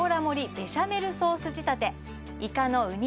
ベシャメルソース仕立ていかのうに